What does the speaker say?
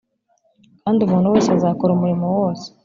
kandi umuntu wese azakora umurimo wose